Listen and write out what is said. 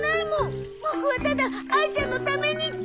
ボクはただあいちゃんのためにって。